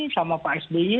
sama pak sdi